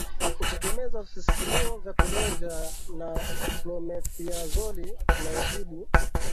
utegemezi wa visisimuo vya kulevya na klomethiazoli inayotibu